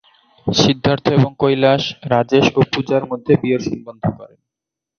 সিদ্ধার্থ এবং কৈলাশ, রাজেশ ও পূজার মধ্যে বিয়ের সম্বন্ধ করেন।